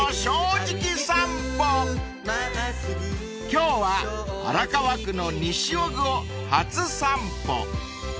［今日は荒川区の西尾久を初散歩］